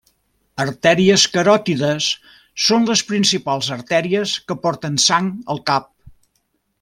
Artèries caròtides: són les principals artèries que porten sang al cap.